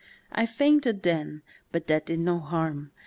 I fainted then, but that did no harm.